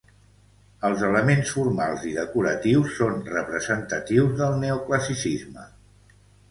Els elements formals i decoratius són representatius del neoclassicisme.